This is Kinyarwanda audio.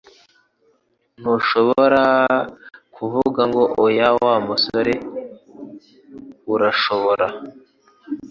Ntushobora kuvuga ngo oya Wa musore urashobora